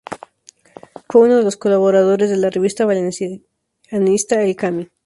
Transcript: Fue uno de los colaboradores de la revista valencianista "El Camí".